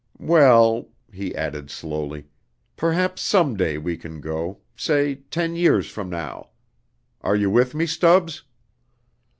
"Well," he added slowly, "perhaps some day we can go say ten years from now. Are you with me, Stubbs?"